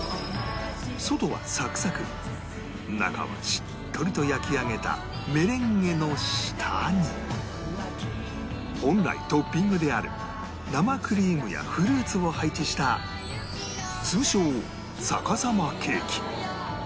外はサクサク中はしっとりと焼き上げたメレンゲの下に本来トッピングである生クリームやフルーツを配置した通称逆さまケーキ